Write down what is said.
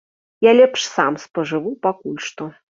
Я лепш сам спажыву пакуль што.